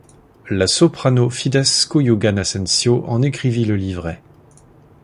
La soprano Fides Cuyugan-Asensio en écrivit le livret.